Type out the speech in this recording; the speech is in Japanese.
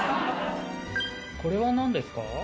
これは何ですか？